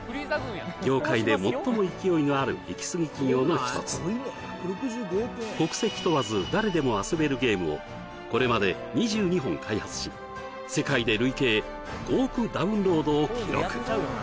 業界で最も勢いのあるイキスギ企業の一つ国籍問わず誰でも遊べるゲームをこれまで２２本開発し世界で累計５億ダウンロードを記録